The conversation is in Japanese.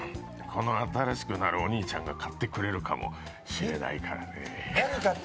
この新しくなるお兄ちゃんが買ってるくれるかもしれないからね。